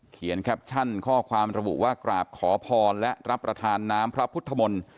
แคปชั่นข้อความระบุว่ากราบขอพรและรับประทานน้ำพระพุทธมนตร์